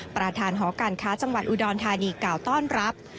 ประธานหอการค้าจังหวัดอุดรธานีกล่าวต้อนรับ